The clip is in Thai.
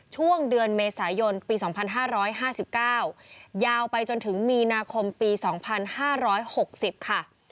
ช่วงเดือนเมษายนปี๒๕๕๙ยาวไปจนถึงมีนาคมปี๒๕๖๐ค่ะ